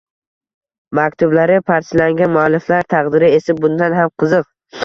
Maktublari parchalangan mualliflar taqdiri esa bundan ham qiziq.